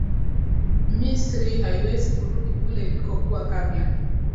misri haiwezi kurudi kule ilikokuwa kabla